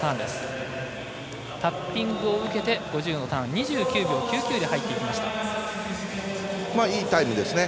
タッピングを受けて５０のターン、２９秒９９でいいタイムですね。